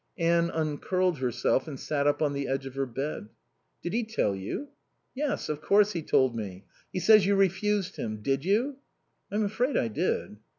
Anne uncurled herself and sat up on the edge of her bed. "Did he tell you?" "Yes. Of course he told me. He says you refused him. Did you?" "I'm afraid I did."